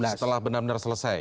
setelah benar benar selesai